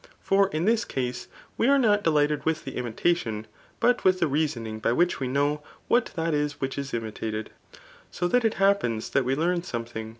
For ia this case, we are not delighted with the imitadon, but with the reasoning by whick we know what that is which is imitated ; so that it happens that we learn somethmg.